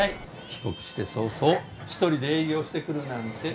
帰国して早々１人で営業してくるなんて。